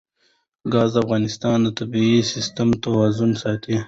ګاز د افغانستان د طبعي سیسټم توازن ساتي.